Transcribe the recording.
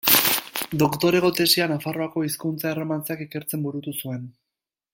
Doktorego-tesia Nafarroako hizkuntza erromantzeak ikertzen burutu zuen.